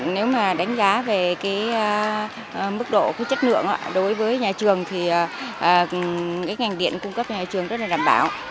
nếu mà đánh giá về cái mức độ chất lượng đối với nhà trường thì cái ngành điện cung cấp cho nhà trường rất là đảm bảo